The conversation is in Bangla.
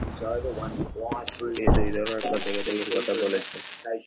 তিনি দুই ধরনের প্রতিরোধকের কথা বলেছেন।